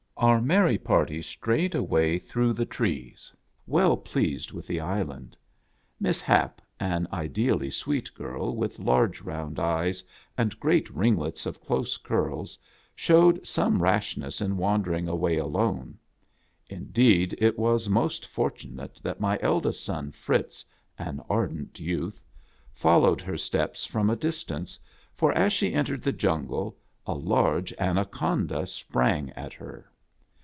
Our merry party strayed away through the trees, well pleased with the island. Miss Hap, an ideally sweet girl, with large round eyes, and great ringlets of close curls, showed some rashness in wandering away alone. Indeed, it was most fortunate that my eldest son, Fritz, an ardent youth, followed her steps from a distance, for as she entered the jungle a large Anaconda sprang at her.